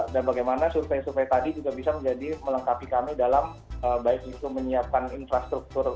dan bagaimana survei survei tadi juga bisa menjadi melengkapi kami dalam baik itu menyiapkan infrastruktur